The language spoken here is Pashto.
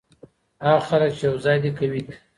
هغه خلګ چي یو ځای دي قوي دي.